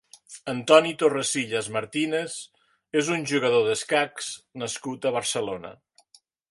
Antoni Torrecillas Martínez és un jugador d'escacs nascut a Barcelona.